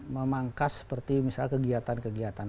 memangkas seperti misalnya kegiatan kegiatan